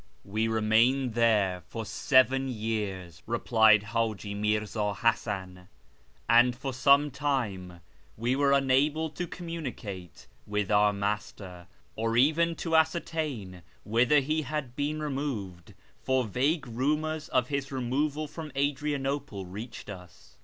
" We remained there for seven years," replied Hi'iji Mirza Hasan, " and for some time we were unable to communicate with our Master, or even to ascertain whither he had been removed (for vague rumours of his removal from Adrianoj)le reached us).